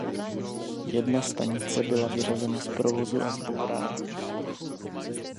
Jedna stanice byla vyřazena z provozu a zbourána.